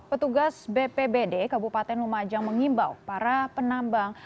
petugas bpbd kabupaten lumajang mengimbau para penambang